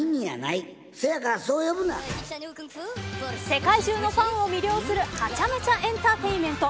世界中のファンを魅了するはちゃめちゃエンターテインメント。